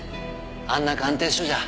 あんな鑑定書じゃ。